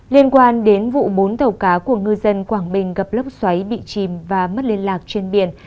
liên quan đến vụ bốn tàu cá của ngư dân quảng bình gặp lốc xoáy bị chìm và mất liên lạc trên biển